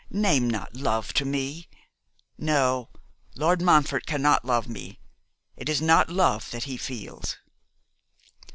name not love to me. No, Lord Montfort cannot love me. It is not love that he feels.